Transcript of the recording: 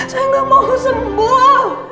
saya gak mau sembuh